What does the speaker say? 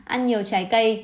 ăn nhiều trái cây